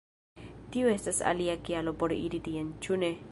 Tiu estas alia kialo por iri tien, ĉu ne?